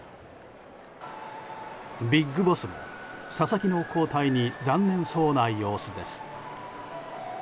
ＢＩＧＢＯＳＳも佐々木の交代に残念そうな様子です。